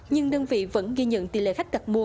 nhưng đơn vị vẫn ghi nhận tỷ lệ khách đặt mua